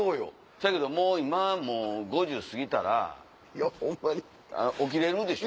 そやけど今は５０過ぎたら起きれるでしょ？